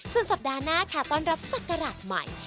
ส่วนสัปดาห์หน้าค่ะต้อนรับศักราชใหม่